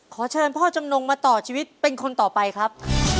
ขอเชิญพ่อจำนงมาต่อชีวิตเป็นคนต่อไปครับ